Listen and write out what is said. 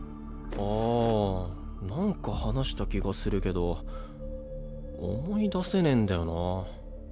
ああなんか話した気がするけど思い出せねぇんだよな。